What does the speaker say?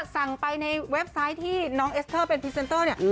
สั่งไปในเว็บไซต์ที่น้องเอสเตอร์เป็นเนี่ย